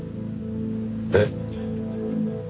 えっ？